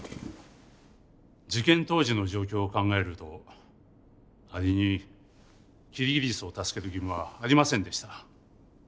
事件当時の状況を考えるとアリにキリギリスを助ける義務はありませんでした。